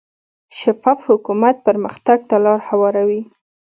شفاف حکومت پرمختګ ته لار هواروي.